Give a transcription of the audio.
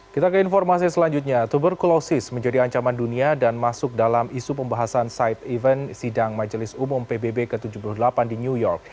kita ke informasi selanjutnya tuberkulosis menjadi ancaman dunia dan masuk dalam isu pembahasan side event sidang majelis umum pbb ke tujuh puluh delapan di new york